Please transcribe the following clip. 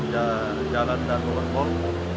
di jalan daan mogot pol